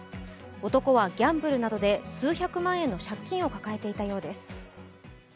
男はギャンブルなどで数百万円の借金を抱えていたようです。